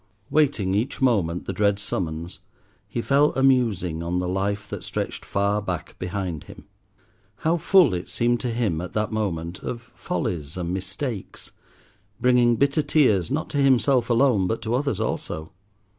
Waiting each moment the dread summons, he fell a musing on the life that stretched far back behind him. How full it seemed to him at that moment of follies and mistakes, bringing bitter tears not to himself alone but to others also.